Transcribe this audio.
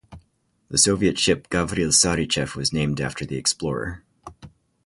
The Soviet ship "Gavril Sarychev" was named after the explorer.